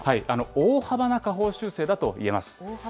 大幅な下方修正だといえます。